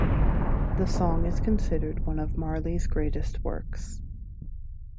The song is considered one of Marley's greatest works.